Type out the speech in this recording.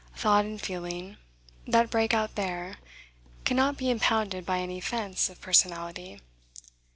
Thought and feeling, that break out there, cannot be impounded by any fence of personality.